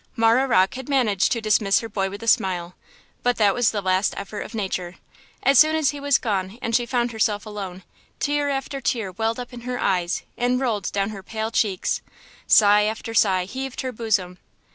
Marah Rocke had managed to dismiss her boy with a smile, but that was the last effort of nature; as soon as he was gone and she found herself alone, tear after tear welled up in her eyes and rolled down her pale cheeks; sigh after sigh heaved her bosom.